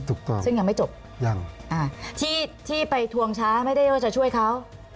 ถูกต้องยังที่ไปทวงช้าไม่ได้ว่าจะช่วยเขา